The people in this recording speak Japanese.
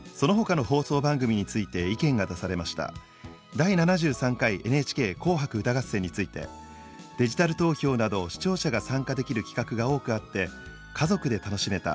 第７３回「ＮＨＫ紅白歌合戦」について「デジタル投票など視聴者が参加できる企画が多くあって家族で楽しめた」。